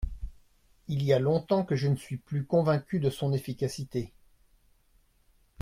Il y a longtemps que je ne suis plus convaincu de son efficacité.